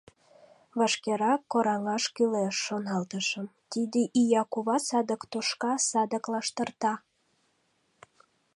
«Вашкерак кораҥаш кӱлеш, — шоналтышым, — тиде ия кува садак тошка, садак лаштырта».